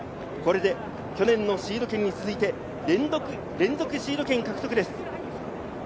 去年のシード権に続いて連続シード権獲得です。